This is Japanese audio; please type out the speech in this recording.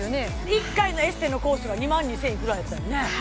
１回のエステのコースが２万２千いくらやったよね？